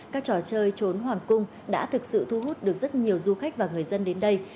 các trò chơi trốn hoàng cung đã thực sự thu hút được rất nhiều du khách và người dân đến đây